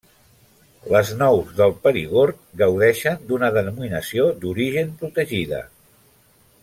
Les nous del Perigord gaudeixen d'una Denominació d'Origen protegida.